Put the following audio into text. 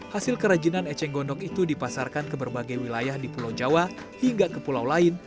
hasil kerajinan eceng gondok itu dipasarkan ke berbagai wilayah di pulau jawa hingga ke pulau lain